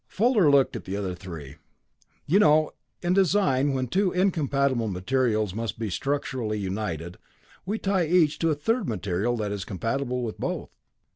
Fuller looked at the other three. "You know, in design when two incompatible materials must be structurally united, we tie each to a third material that is compatible with both.